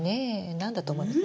何だと思います？